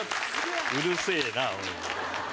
うるせえなおい。